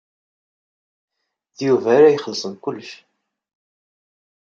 D Yuba ara ixellṣen kullec.